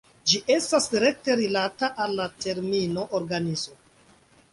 Ĝi estas rekte rilata al la termino "organizo".